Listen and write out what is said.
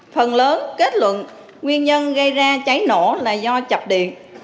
phần lớn kết luận nguyên nhân gây ra cháy nổ là do chập điện